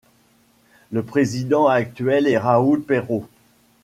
Le président actuel est Raoul Peyrot.